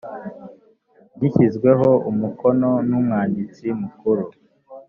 gishyizweho umukono n umwanditsi mukuru